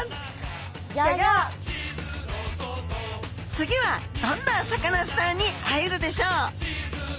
次はどんなサカナスターに会えるでしょう？